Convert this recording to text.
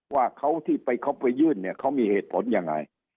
ว่าเขาที่ไปแล้วเขามีเหตุผลอย่างไร